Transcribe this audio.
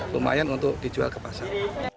lumayan untuk dijual ke pasar